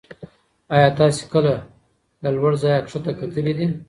ایا تاسې کله له لوړ ځایه کښته کتلي دي؟